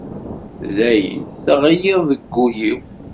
Dayen, teɣliḍ deg ul-iw.